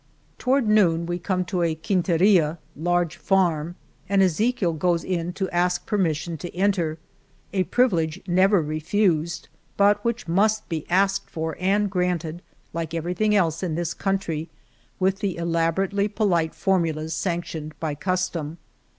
Toward noon we come to a quinteria (large farm) and Ezechiel goes i66 Juana, El Toboso in to ask permission to enter, a privilege never refused but which must be asked for and granted, like everything else in this country, with the elaborately polite formulas sanctioned by custom.